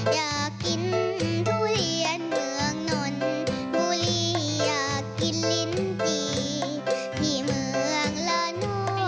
อยากกินทุเรียนเมืองนนบุรีอยากกินลิ้นปีที่เมืองลาโน